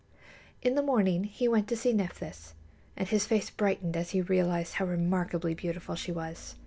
In the morning he went to see Nephthys, and his face brightened as he realized how remarkably beautiful she was.